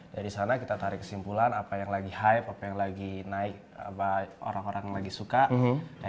dari sana kita tarik kesimpulan apa yang lagi hype apa yang lagi naik apa orang orang lagi suka